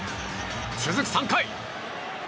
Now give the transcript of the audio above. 続く３回。